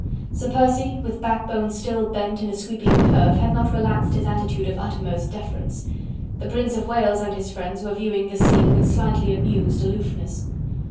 Sir Percy with backbone still bent in a sweeping curve had not relaxed his attitude of uttermost deference. The Prince of Wales and his friends were viewing the scene with slightly amused aloofness.